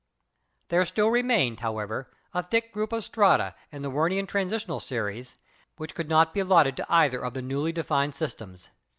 There still remained, however, a thick group of strata in the Wernerian "Transitional Series" which could not be allotted to either of the newly defined systems.